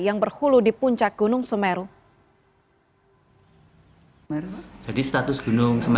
yang berhulu di puncak gunung semeru